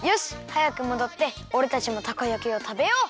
はやくもどっておれたちもたこ焼きをたべよう！